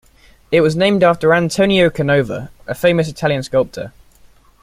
It was named after Antonio Canova, a famous Italian sculptor.